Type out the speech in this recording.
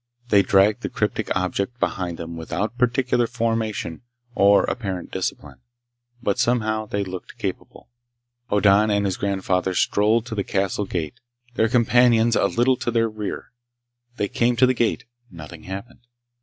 They dragged the cryptic object behind them without particular formation or apparent discipline, but somehow they looked capable. Hoddan and his grandfather strolled to the castle gate, their companions a little to their rear. They came to the gate. Nothing happened.